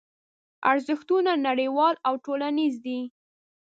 ارزښتونه نړیوال او ټولنیز دي.